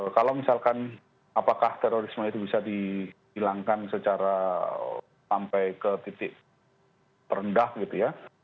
kalau misalkan apakah terorisme itu bisa dihilangkan secara sampai ke titik terendah gitu ya